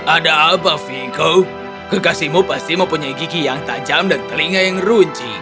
ada apa viko kekasihmu pasti mempunyai gigi yang tajam dan telinga yang runci